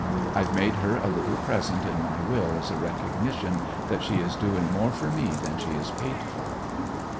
I've made her a little present in my will as a recognition that she is doing more for me than she is paid for."